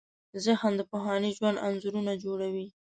ذهن د پخواني ژوند انځورونه جوړوي.